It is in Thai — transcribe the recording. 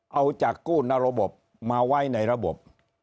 เอาจากกู้นระบบมาไว้ในระบบ